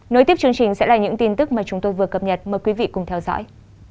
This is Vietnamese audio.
nối tiếp chương trình sẽ là những tin tức mà chúng tôi vừa cập nhật mời quý vị cùng theo dõi